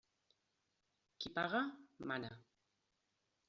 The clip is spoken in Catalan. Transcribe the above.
Qui paga, mana.